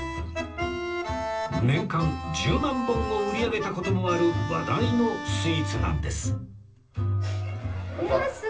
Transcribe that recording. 年間１０万本を売り上げた事もある話題のスイーツなんです！